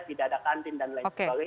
tidak ada kantin dan lain sebagainya